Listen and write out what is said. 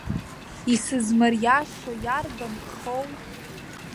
Исызмыриашо иарбан гхоу?